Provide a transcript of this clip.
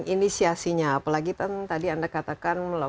inisiasinya apalagi kan tadi anda katakan